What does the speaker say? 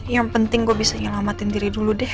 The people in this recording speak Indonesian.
yang penting gue bisa nyelamatin diri dulu deh